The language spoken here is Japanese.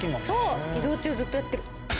そう移動中ずっとやってる。